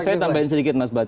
saya tambahin sedikit mas bad